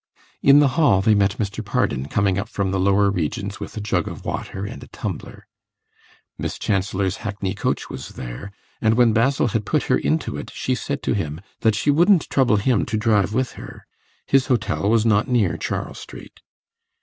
In the hall they met Mr. Pardon, coming up from the lower regions with a jug of water and a tumbler. Miss Chancellor's hackney coach was there, and when Basil had put her into it she said to him that she wouldn't trouble him to drive with her his hotel was not near Charles Street.